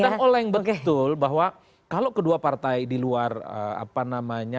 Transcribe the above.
sedang oleng betul bahwa kalau kedua partai di luar apa namanya